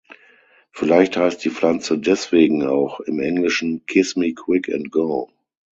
Vielleicht heißt die Pflanze deswegen auch im Englischen "Kiss-me-quick-and-go".